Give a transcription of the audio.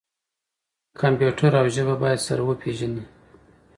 کمپیوټر او ژبه باید سره وپیژني.